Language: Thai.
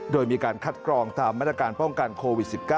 โดยมีการคัดกรองตามมาตรการป้องกันโควิด๑๙